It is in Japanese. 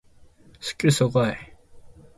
スッキリ爽快